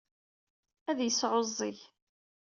Ad yesɛuẓẓeg.